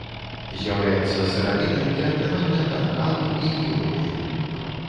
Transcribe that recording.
З'яўляецца сыравінай для атрымання танталу і ніобію.